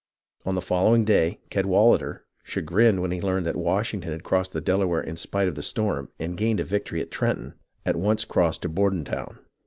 On the following day Cadwalader, chagrined when he learned that Washington had crossed the Delaware in spite of the storm, and gained a victory at Trenton, at once crossed to Bordentown.